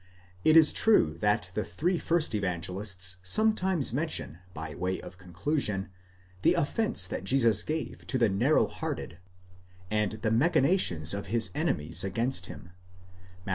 It is true that the three first Evangelists sometimes men tion, by way of conclusion, the offence that Jesus gave to the narrow hearted, and the machinations of his enemies against him (Matt.